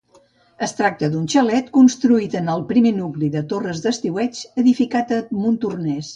Es tracta d'un xalet construït en el primer nucli de torres d'estiueig edificat a Montornès.